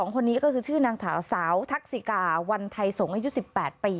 คนนี้ก็คือชื่อนางสาวสาวทักษิกาวันไทยสงศ์อายุ๑๘ปี